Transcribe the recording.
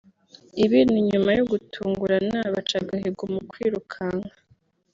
Ibi ni nyuma yo gutungurana baca agahigo mu kwirukanka